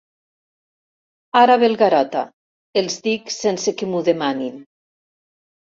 Ara ve el Garota —els dic sense que m'ho demanin—.